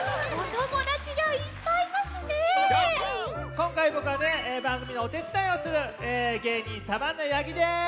こんかいぼくはばんぐみのおてつだいをするげいにんサバンナ八木です！